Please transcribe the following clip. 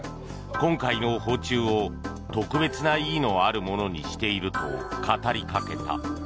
今回の訪中を特別な意義のあるものにしていると語りかけた。